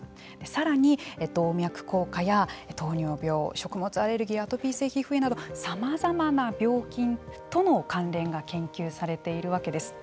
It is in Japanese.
さらに動脈硬化や糖尿病食物アレルギーアトピー性皮膚炎などさまざまな病気との関連が研究されているわけです。